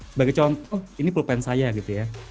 sebagai contoh ini pulpen saya gitu ya